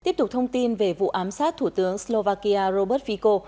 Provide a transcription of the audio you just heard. tiếp tục thông tin về vụ ám sát thủ tướng slovakia robert fico